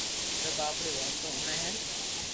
سب آپري واتو ھوڻي ھي